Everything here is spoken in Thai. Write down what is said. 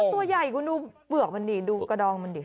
ตัวใหญ่คุณดูเปลือกมันดิดูกระดองมันดิ